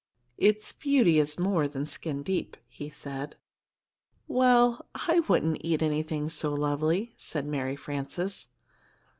"Its beauty is more than skin deep," he said. "Well, I wouldn't eat anything so lovely," said Mary Frances.